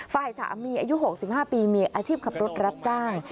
ฝ่ายสามีอายุ๖๕ปีมีอาชีพขับรถรับจ้าง